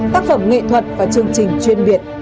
tác phẩm nghệ thuật và chương trình chuyên biệt